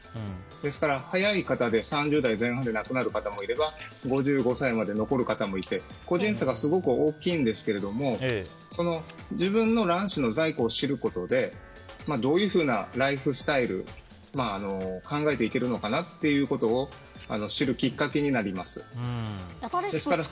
ですから早い方で３０代前半でなくなる方もいれば５５歳まで残る方もいて個人差がすごく大きいんですけど自分の卵子の在庫を知ることでどういうふうなライフスタイルを考えていけるのかなということを知るきっかけになります。